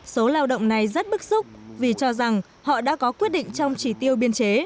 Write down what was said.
số lao động này rất bức xúc vì cho rằng họ đã có quyết định trong chỉ tiêu biên chế